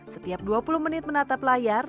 setiap dua puluh menit menatap layar